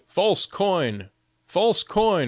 false coin!, false coin!